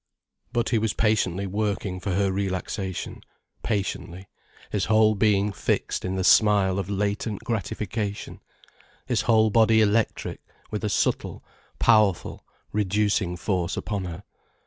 But he was patiently working for her relaxation, patiently, his whole being fixed in the smile of latent gratification, his whole body electric with a subtle, powerful, reducing force upon her.